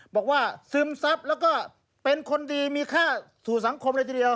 ซึมซับแล้วก็เป็นคนดีมีค่าสู่สังคมเลยทีเดียว